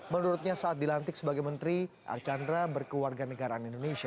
menurutnya saat dilantik sebagai menteri archandra berkeluarga negaraan indonesia